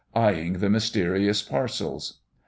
eyeing the mysterious parcels....